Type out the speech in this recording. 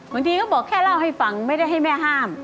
เขาบอกแค่เล่าให้ฟังไม่ได้ให้แม่ห้าม